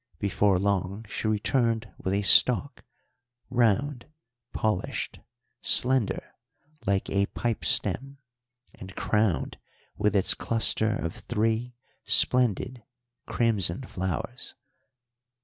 Before long she returned with a stalk, round, polished, slender, like a pipe stem, and crowned with its cluster of three splendid crimson flowers.